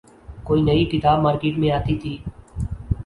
کوئی نئی کتاب مارکیٹ میں آتی تھی۔